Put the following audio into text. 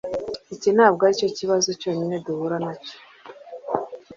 Iki ntabwo aricyo kibazo cyonyine duhura nacyo.